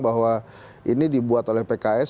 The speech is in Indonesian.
bahwa ini dibuat oleh pks